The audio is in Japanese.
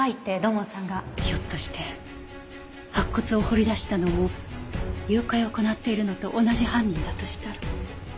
ひょっとして白骨を掘り出したのも誘拐を行っているのと同じ犯人だとしたら。